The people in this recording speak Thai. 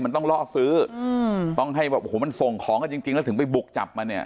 มันต้องล่อซื้ออืมต้องให้แบบโอ้โหมันส่งของกันจริงจริงแล้วถึงไปบุกจับมาเนี่ย